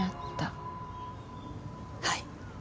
はい。